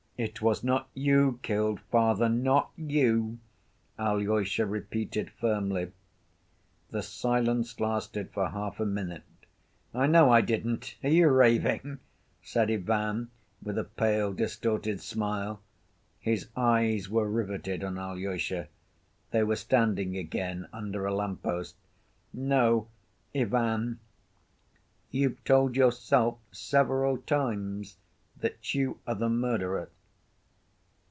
"It was not you killed father, not you!" Alyosha repeated firmly. The silence lasted for half a minute. "I know I didn't. Are you raving?" said Ivan, with a pale, distorted smile. His eyes were riveted on Alyosha. They were standing again under a lamp‐post. "No, Ivan. You've told yourself several times that you are the murderer."